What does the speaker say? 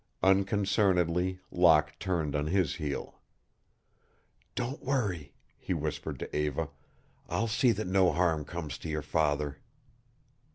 Unconcernedly Locke turned on his heel. "Don't worry," he whispered to Eva. "I'll see that no harm comes to your father."